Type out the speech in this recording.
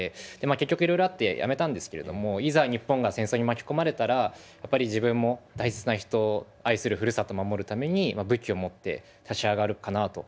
結局いろいろあってやめたんですけれどもいざ日本が戦争に巻き込まれたらやっぱり自分も大切な人愛するふるさとを守るために秀島さん。